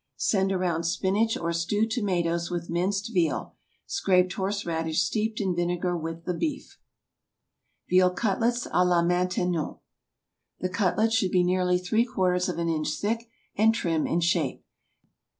Send around spinach or stewed tomatoes with minced veal; scraped horseradish steeped in vinegar with the beef. VEAL CUTLETS À LA MAINTENON. The cutlets should be nearly three quarters of an inch thick, and trim in shape.